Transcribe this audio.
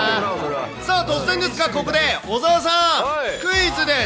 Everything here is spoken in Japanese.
さあ、突然ですが、ここで、小澤さん、クイズです。